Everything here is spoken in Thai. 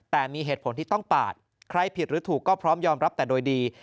แต่มีเหตุผลที่ต้องปาดใครผิดหรือถูกก็พร้อมยอมรับแต่โดยดี